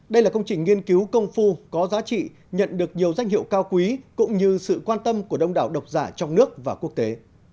đây là công trình nghiên cứu công phu có giá trị nhận được nhiều danh hiệu cao quý cũng như sự quan tâm của đông đảo độc giả trong nước và quốc tế